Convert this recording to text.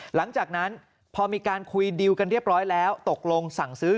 หลังจากนั้นพอมีการคุยดีลกันเรียบร้อยแล้วตกลงสั่งซื้อ